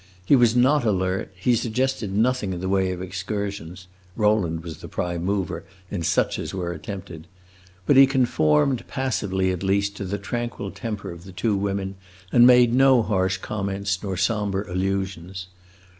He was not alert, he suggested nothing in the way of excursions (Rowland was the prime mover in such as were attempted), but he conformed passively at least to the tranquil temper of the two women, and made no harsh comments nor sombre allusions.